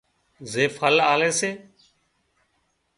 زي ڦل آلي سي